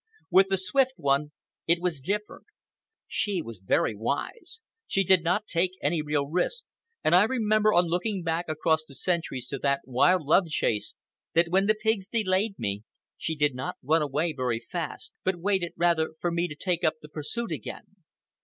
With the Swift One it was different. She was very wise. She did not take any real risks, and I remember, on looking back across the centuries to that wild love chase, that when the pigs delayed me she did not run away very fast, but waited, rather, for me to take up the pursuit again.